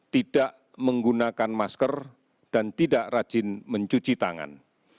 tidak menggunakan masker dan tidak rajin mencuci tangan